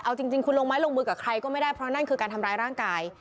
เอาจริงคุณลงไม้ลงมือกับใครก็ไม่ได้เพราะนั่นคือการทำร้ายร่างกาย